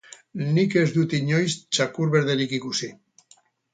Nik ez dut inoiz txakur berderik ikusi.